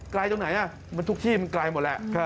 ไกลตรงไหนทุกที่มันไกลหมดแหละ